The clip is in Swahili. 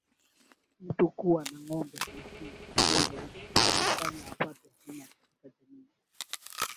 mtu Kuwa na ngombe hamsini au zaidi kunamfanya apate heshima katika jamii